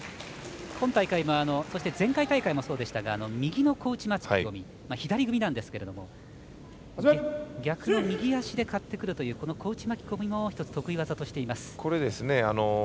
今大会前回大会もそうでしたが右の小内巻き込み左組みなんですけど逆の右足で刈ってくるという小内巻き込みも１つ得意技としています。